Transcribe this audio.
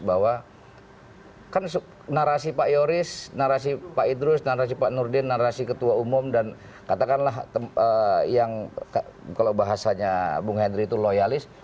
bahwa kan narasi pak yoris narasi pak idrus narasi pak nurdin narasi ketua umum dan katakanlah yang kalau bahasanya bung hendri itu loyalis